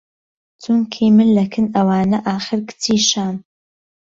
چونکی من له کن ئهوانه ئاخر کچی شام